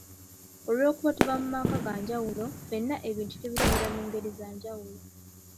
Olw'okuba tuva mu maka ga njawulo, ffenna ebintu tubiraba mu ngeri za njawulo.